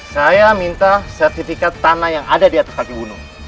saya minta sertifikat tanah yang ada di atas kaki gunung